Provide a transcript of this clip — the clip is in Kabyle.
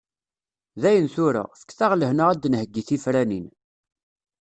Dayen tura, fket-aɣ lehna ad d-nheyyi tifranin.